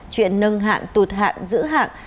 chuyện nâng hạng tụt hạng giữ hạng